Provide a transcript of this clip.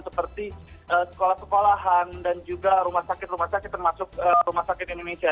seperti sekolah sekolahan dan juga rumah sakit rumah sakit termasuk rumah sakit indonesia